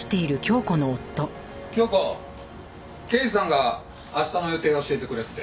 京子刑事さんが明日の予定を教えてくれって。